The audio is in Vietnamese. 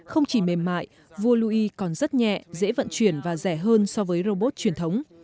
không chỉ mềm mại vua louis còn rất nhẹ dễ vận chuyển và rẻ hơn so với robot truyền thống